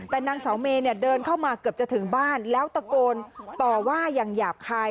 แต่นางเสาเมย์เนี่ยเดินเข้ามาเกือบจะถึงบ้านแล้วตะโกนต่อว่าอย่างหยาบคาย